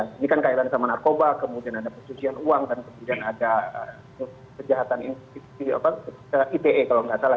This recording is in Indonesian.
ini kan kaitannya sama narkoba kemudian ada pencucian uang kemudian ada penjahatan ite kalau nggak salah